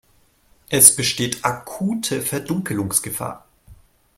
Es besteht akute Verdunkelungsgefahr.